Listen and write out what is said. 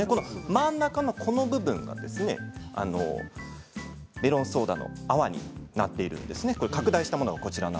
真ん中の部分がメロンソーダの泡になっているんです。